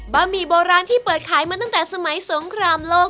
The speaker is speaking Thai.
หมี่โบราณที่เปิดขายมาตั้งแต่สมัยสงครามโลก